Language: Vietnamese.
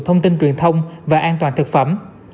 thông tin truyền thông và an toàn thực phẩm